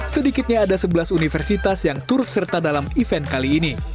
sedikitnya ada sebelas universitas yang turut serta dalam event kali ini